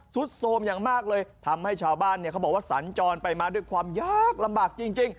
สุดโทรมอย่างมากเลยทำให้ชาวบ้านเนี่ยเขาบอกว่าสัญจรไปมาด้วยความยากลำบากจริง